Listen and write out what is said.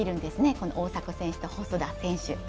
この大迫選手と細田選手。